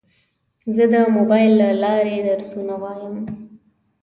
زه د موبایل له لارې درسونه وایم.